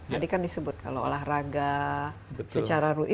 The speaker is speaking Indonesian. tadi kan disebut kalau olahraga secara rutin